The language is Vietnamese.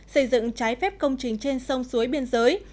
xây dựng trái phép công trình trên sông suối biên giới